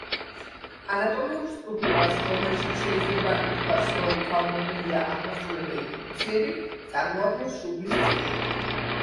ანატომიურ სტრუქტურას, რომელშიც შეიძლება ითქვას, რომ თავმოყრილია აღმასრულებელი ფუნქციები წარმოადგენს შუბლის წილი.